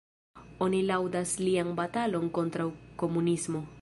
Oni laŭdas lian batalon kontraŭ komunismo.